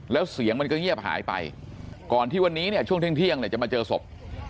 แล้วเสียงมันก็เงียบหายไปก่อนที่วันนี้เนี่ยช่วงเที่ยงเนี่ยจะมาเจอศพ